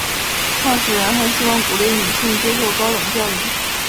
创始人还希望鼓励女性接受高等教育。